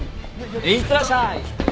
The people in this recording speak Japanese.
いってらっしゃい！